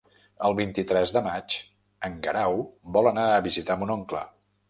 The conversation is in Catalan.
El vint-i-tres de maig en Guerau vol anar a visitar mon oncle.